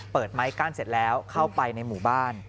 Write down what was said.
ไม้กั้นเสร็จแล้วเข้าไปในหมู่บ้าน